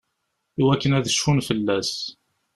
Iwakken ad cfun fell-as.